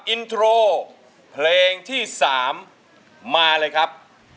อินโทรเพลงที่๓มาเลยครับ